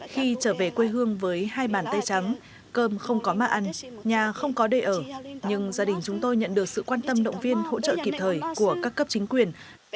khi trở về quê hương với hai bàn tay trắng cơm không có mạng ăn nhà không có đề ở nhưng gia đình chúng tôi nhận được sự quan tâm động viên hỗ trợ kịp thời của các cấp chính quyền